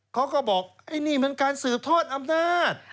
เขาก็บอกไอ้นี่มันการสืบทอดอำนาจ